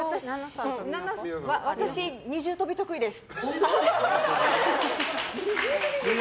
私、二重跳び得意です！